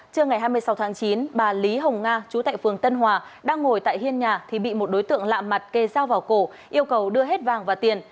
trưa ngày hai mươi sáu tháng chín bà lý hồng nga chú tại phường tân hòa đang ngồi tại hiên nhà thì bị một đối tượng lạ mặt kê giao vào cổ yêu cầu đưa hết vàng và tiền